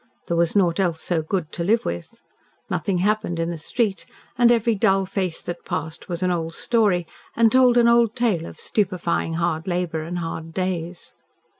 There was naught else so good to live with. Nothing happened in the street, and every dull face that passed was an old story, and told an old tale of stupefying hard labour and hard days.